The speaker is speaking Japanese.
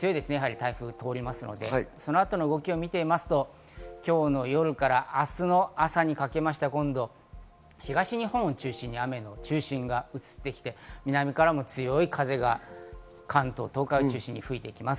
台風が通りますので、その後の動きを見ると、今日の夜から明日の朝にかけまして、今度は東日本を中心に、雨の中心が移ってきて、南からも強い風が関東、東海を中心に吹いてきます。